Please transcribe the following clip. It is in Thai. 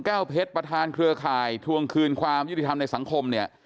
แก้วเพชรประธานเครือข่ายทวงคืนความยุติธรรมในสังคมเนี่ย